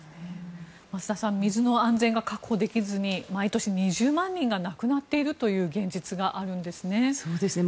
増田さん水の安全が確保できずに毎年２０万人が亡くなっているという現実があるんですね。